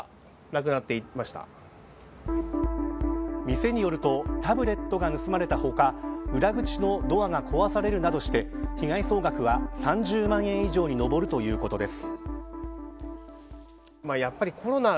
店によるとタブレットが盗まれた他裏口のドアが壊されるなどして被害総額は３０万円以上に上るということです。